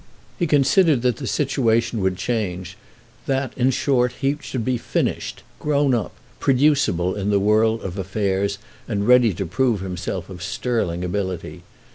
He considered that the situation would change—that in short he should be "finished," grown up, producible in the world of affairs and ready to prove himself of sterling ability.